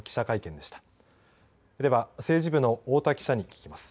では政治部の太田記者に聞きます。